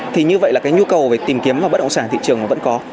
thì như vậy là cái nhu cầu về tìm kiếm bất động sản thị trường vẫn có